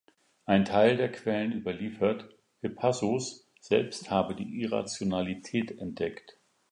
Ein Teil der Quellen überliefert, Hippasos selbst habe die Irrationalität entdeckt.